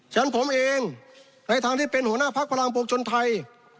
ฉะนั้นผมเองในทางที่เป็นหัวหน้าพักพลังปวงชนไทย